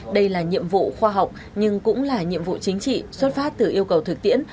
đây là nhiệm vụ khoa học nhưng cũng là nhiệm vụ chính trị xuất phát từ yêu cầu thực tiễn